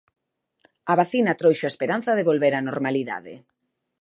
A vacina trouxo a esperanza de volver á normalidade.